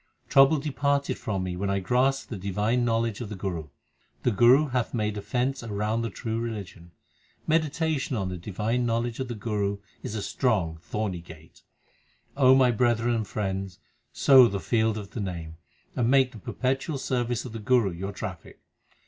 Trouble departed from me when I grasped the divine knowledge of the Guru. The Guru hath made a fence l round the true religion : Meditation on the divine knowledge of the Guru is a strong thorny gate. O my brethren and friends, sow the field of the Name, And make the perpetual service of the Guru your traffic.